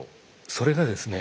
それがですね